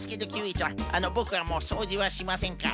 ちゃんボクはもうそうじはしませんから。